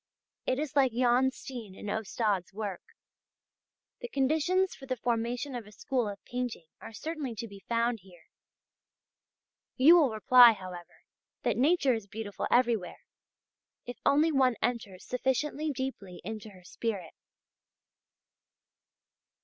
It is like Jan Steen and Ostade's work. The conditions for the formation of a school of painting are certainly to be found here. You will reply, however, that nature is beautiful everywhere, if only one enters sufficiently deeply into her spirit.